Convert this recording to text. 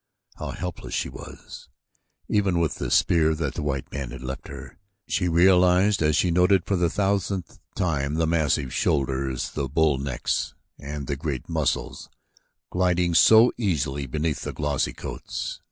How helpless she was, even with the spear that the white man had left her, she realized as she noted for the thousandth time the massive shoulders, the bull necks, and the great muscles gliding so easily beneath the glossy coats.